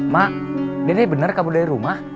mak nenek benar kamu dari rumah